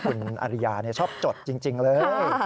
คุณอริยาชอบจดจริงเลย